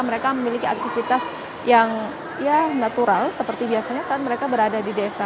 mereka memiliki aktivitas yang ya natural seperti biasanya saat mereka berada di desa